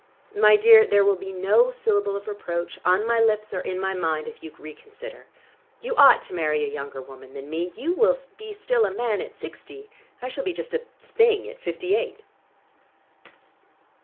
My dear, there will be no syllable of reproach, on my lips or in my mind, if you reconsider. You ought to marry a younger woman than me. You will be still a man at sixty, I shall be just a thing at fifty eight."